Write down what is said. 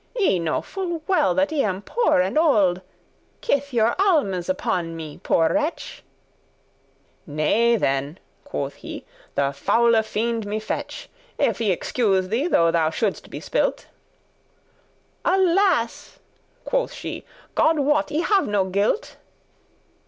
Ye know full well that I am poor and old; *Kithe your almes* upon me poor wretch." *show your charity* "Nay then," quoth he, "the foule fiend me fetch, If I excuse thee, though thou should'st be spilt."* *ruined "Alas!" quoth she, "God wot, I have no guilt."